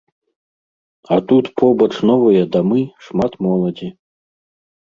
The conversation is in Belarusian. А тут побач новыя дамы, шмат моладзі.